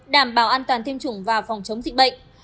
đảm bảo an toàn tiêm chủng và phòng chống dịch bệnh